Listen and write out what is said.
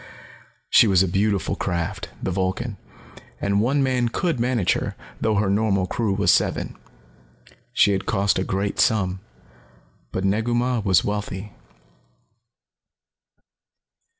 She was a beautiful craft, the Vulcan, and one man could manage her, though her normal crew was seven. She had cost a great sum. But Negu Mah was wealthy.